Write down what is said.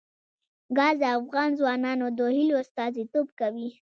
ګاز د افغان ځوانانو د هیلو استازیتوب کوي.